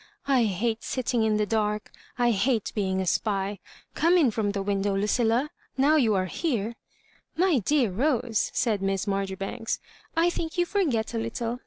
" I hate sitting in the dark. I hate being a spy; oome in from the window, Lucilla, now you are here ^" ''My dear Rose," said Miss Marjoribanks, *'I think you forget a little.